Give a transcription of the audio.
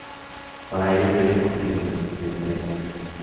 Para ello, debe cumplir los criterios de adhesión.